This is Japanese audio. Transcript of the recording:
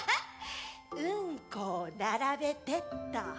うんこを並べてっと。